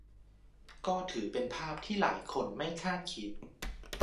ก็ถือเป็นภาพที่หลายคนไม่คาดคิด